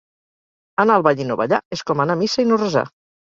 Anar al ball i no ballar és com anar a missa i no resar.